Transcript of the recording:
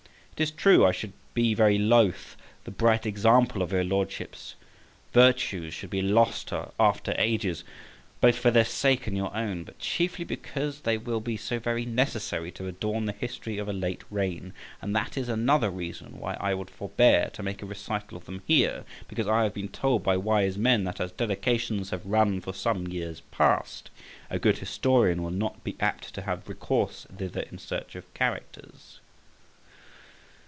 It is true I should be very loth the bright example of your Lordship's virtues should be lost to after ages, both for their sake and your own; but chiefly because they will be so very necessary to adorn the history of a late reign; and that is another reason why I would forbear to make a recital of them here; because I have been told by wise men that as dedications have run for some years past, a good historian will not be apt to have recourse thither in search of characters.